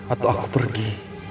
atau aku pergi